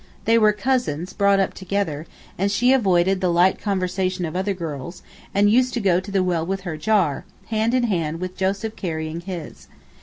They were cousins, brought up together; and she avoided the light conversation of other girls, and used to go to the well with her jar, hand in hand with Joseph carrying his.